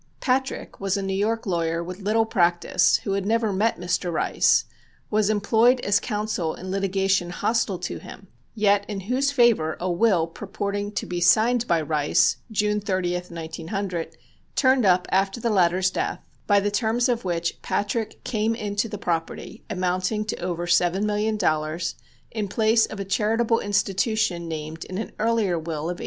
Patrick was a New York lawyer with little practice who had never met Mr. Rice, was employed as counsel in litigation hostile to him, yet in whose favor a will purporting to be signed by Rice, June 30, 1900, turned up after the latter's death, by the terms of which Patrick came into the property, amounting to over seven million dollars, in place of a charitable institution named in an earlier will of 1896.